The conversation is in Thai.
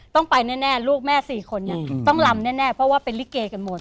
ต้องไปแน่ลูกแม่๔คนต้องลำแน่เพราะว่าเป็นลิเกกันหมด